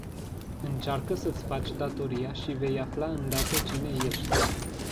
Încearcă să-ți faci datoria și vei afla îndată cine ești.